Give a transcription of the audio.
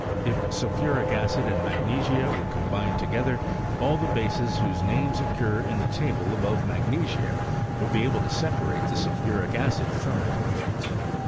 If sulphuric acid and magnesia were combined together, all the bases whose names occur in the table above magnesia would be able to separate the sulphuric acid from it.